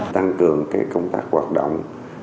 tăng cường công tác hoạt động